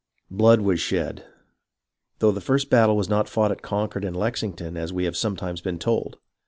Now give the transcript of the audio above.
Blood was shed, though the first battle was not fought at Con cord and Lexington, as we have sometimes been told.